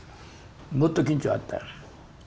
もっと緊張あった。